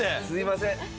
すいません。